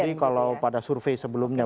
tapi kalau pada survei sebelumnya